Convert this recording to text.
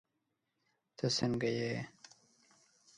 تہ سنګه یی